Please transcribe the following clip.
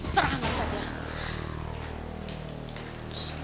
serah mas aja